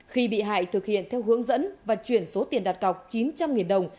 khi bị hại thực hiện theo hướng dẫn và chuyển số tiền đặt cọc chín trăm linh đồng